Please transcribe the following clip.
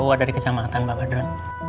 pak uwa dari kecamatan pak badrun